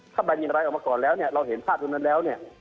ถ้าแบนอย่างไรออกมาก่อนแล้วเราเห็นภาพตรงนั้นแล้ว